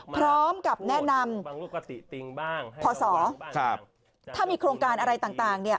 พร้อมกับแนะนำติงบ้างพศถ้ามีโครงการอะไรต่างเนี่ย